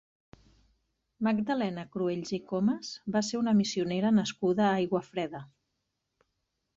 Magdalena Cruells i Comas va ser una missionera nascuda a Aiguafreda.